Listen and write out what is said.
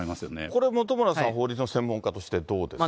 これ、本村さん、法律の専門家としてどうですか。